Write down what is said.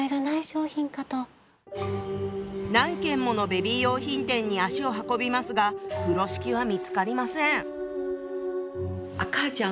何軒ものベビー用品店に足を運びますが風呂敷は見つかりません。